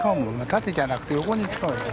縦じゃなくて横に使うよね。